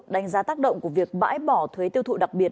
đánh giá tác động của việc bãi bỏ thuế tiêu thụ đặc biệt